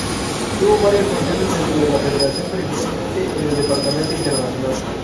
Tuvo varias funciones dentro de la Federación, principalmente en el Departamento Internacional.